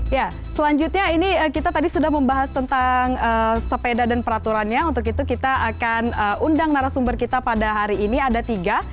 ya selanjutnya ini kita tadi sudah membahas tentang sepeda dan peraturannya untuk itu kita akan undang narasumber kita pada hari ini ada tiga